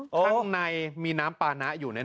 ข้างในมีน้ำปานะอยู่